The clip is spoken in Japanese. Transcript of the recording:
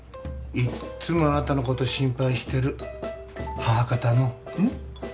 いっつもあなたのこと心配してる母方のうん？